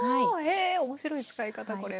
え面白い使い方これは。